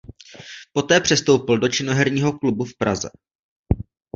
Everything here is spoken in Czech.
Poté přestoupil do Činoherního klubu v Praze.